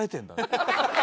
ハハハハ！